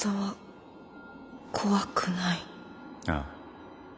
ああ。